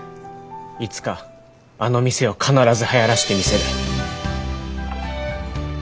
いつかあの店を必ずはやらせてみせる。